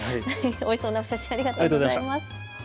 おいしそうなお写真ありがとうございます。